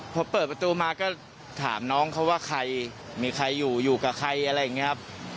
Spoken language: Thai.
พอเปิดประตูมาก็ถามน้องเขาว่าใครมีใครอยู่อยู่กับใครอะไรอย่างนี้ครับ